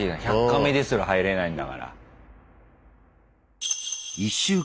１００カメですら入れないんだから。